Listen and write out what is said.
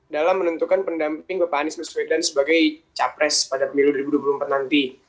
dalam menentukan pendamping bapak anies baswedan sebagai capres pada pemilu dua ribu dua puluh empat nanti